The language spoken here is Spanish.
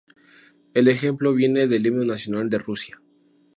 El ejemplo viene del Himno nacional de Rusia.